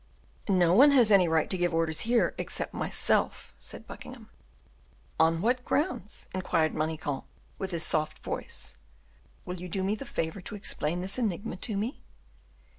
"No one has any right to give orders here, except myself," said Buckingham. "On what grounds?" inquired Manicamp, with his soft tone. "Will you do me the favor to explain this enigma to me?"